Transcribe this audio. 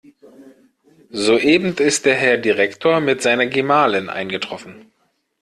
Soeben ist der Herr Direktor mit seiner Gemahlin eingetroffen.